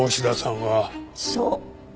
そう。